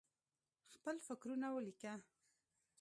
خپل فکرونه ولیکه.